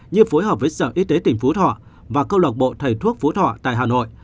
như phối hợp với sở y tế tỉnh phú thọ và câu lọc bộ thầy thuốc phú thọ tại hà nội